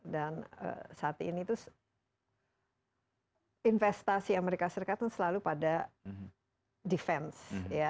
dan saat ini investasi amerika serikat selalu pada defense